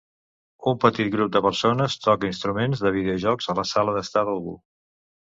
Un petit grup de persones toca instruments de videojocs a la sala d'estar d'algú.